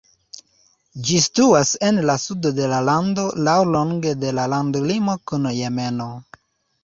Ĝi situas en la sudo de la lando laŭlonge de la landlimo kun Jemeno.